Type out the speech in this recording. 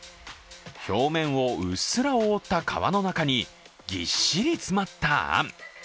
表面をうっすら覆った皮の中にぎっしり詰まったあん。